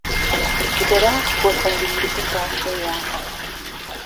جگەرە بۆ تەندرووستی باش نییە